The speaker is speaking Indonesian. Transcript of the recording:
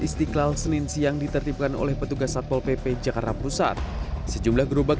istiqlal senin siang ditertibkan oleh petugas satpol pp jakarta pusat sejumlah gerobak